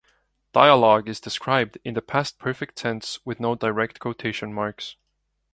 Dialogue is described in the past perfect tense with no direct quotation marks.